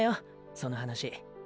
その話。